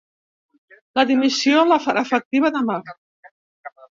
La dimissió la farà efectiva demà.